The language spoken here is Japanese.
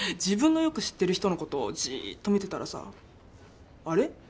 自分のよく知ってる人のことをじーっと見てたらさあれ？